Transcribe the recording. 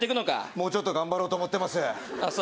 もうちょっとやっていこうと思ってます。